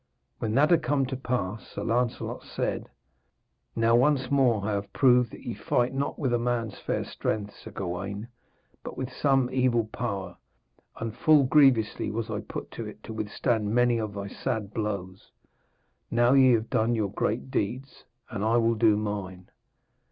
When that had come to pass, Sir Lancelot said: 'Now once more have I proved that ye fight not with a man's fair strength, Sir Gawaine, but with some evil power. And full grievously was I put to it to withstand many of thy sad blows. Now ye have done your great deeds, and I will do mine.'